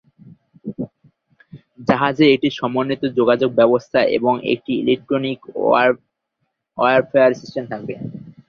জাহাজে একটি সমন্বিত যোগাযোগ ব্যবস্থা এবং একটি ইলেক্ট্রনিক ওয়ারফেয়ার সিস্টেম থাকবে।